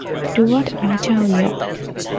Do What I Tell Ya!